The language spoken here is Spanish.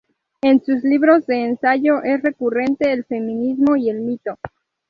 En sus libros de ensayo es recurrente el feminismo y el mito.